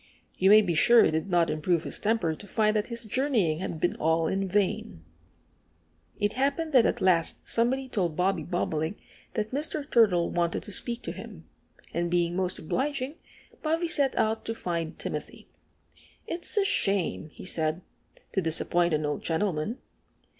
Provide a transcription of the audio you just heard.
You may be sure it did not improve his temper to find that his journeying had been all in vain. It happened that at last somebody told Bobby Bobolink that Mr. Turtle wanted to speak to him. And being most obliging, Bobby set out to find Timothy. "It's a shame," he said, "to disappoint an old gentleman."